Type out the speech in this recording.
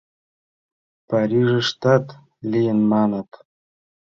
Парижыштат лийын, маныт.